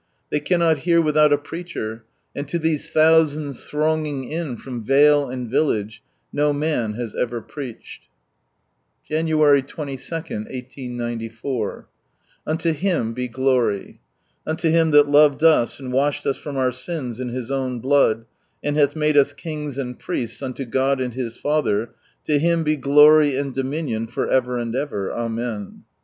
They cannot hear without a preacher, and to these thousands thronging in from vale and village, no man has ever preached. January as, 1894. — Unto Him be glory! Unto Him that loved us, and washed us from our sins in His own blood ; and hath made us kings and priests unto God and His Father, to Him be glory and dominion for ever and ever ! Amen.